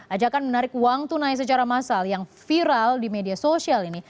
ajakan menarik uang tunai secara massal yang viral di media sosial ini